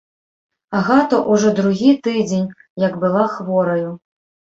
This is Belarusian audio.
Агата ўжо другі тыдзень, як была хвораю.